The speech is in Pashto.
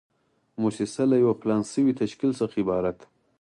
موسسه له یو پلان شوي تشکیل څخه عبارت ده.